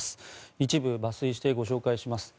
一部抜粋してご紹介します。